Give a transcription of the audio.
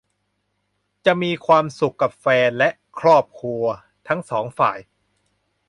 จะมีความสุขกับแฟนและครอบครัวทั้งสองฝ่าย